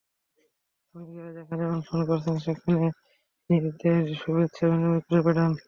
শ্রমিকেরা যেখানে অনশন করছেন, সেখানে তিনি ঈদের শুভেচ্ছা বিনিময় করে বেড়ান।